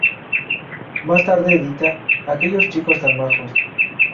Más tarde edita "¡Aquellos chicos tan majos!